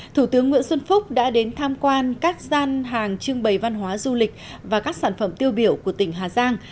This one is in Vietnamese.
thủ tướng nguyễn xuân phúc đã đến tham quan các gian hàng trưng bày văn hóa du lịch và các sản phẩm tiêu biểu của tỉnh hà giang